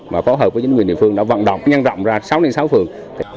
và phối hợp với chính quyền địa phương đã vận động nhân rộng ra sáu lên sáu phường